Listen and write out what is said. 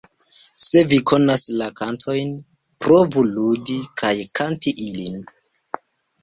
Se vi konas la kantojn, provu ludi kaj kanti ilin!